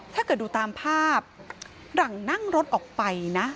ถ้าเกิดดูตามภาพหลังนั่งรถออกไปนะ